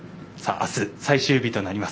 あす、最終日となります。